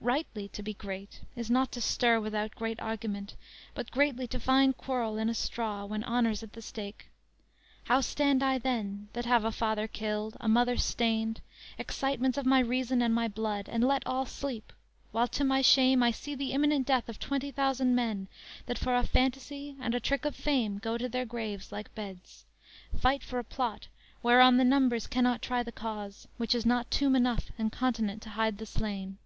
Rightly to be great Is not to stir without great argument; But greatly to find quarrel in a straw When honor's at the stake. How stand I then, That have a father killed, a mother stained, Excitements of my reason and my blood, And let all sleep, while to my shame I see The imminent death of twenty thousand men, That for a fantasy and trick of fame Go to their graves like beds, fight for a plot Whereon the numbers cannot try the cause, Which is not tomb enough and continent To hide the slain?